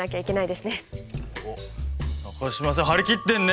おっ中島さん張り切ってるね。